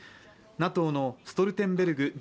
ＮＡＴＯのストルテンベルグ